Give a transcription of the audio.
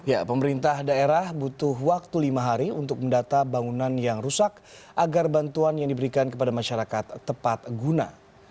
ya pemerintah daerah butuh waktu lima hari untuk mendata bangunan yang rusak agar bantuan yang diberikan kepada masyarakat tepat guna